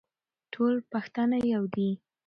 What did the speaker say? ټول پښتانه يو دي.